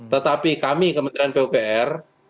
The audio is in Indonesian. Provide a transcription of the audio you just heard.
tetapi kami kementerian pupr